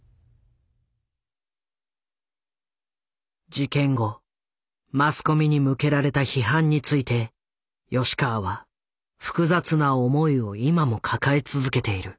事件後マスコミに向けられた批判について吉川は複雑な思いを今も抱え続けている。